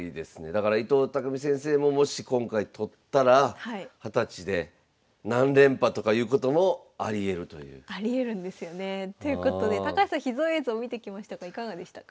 だから伊藤匠先生ももし今回取ったら二十歳でありえるんですよね。ということで高橋さん秘蔵映像見てきましたがいかがでしたか？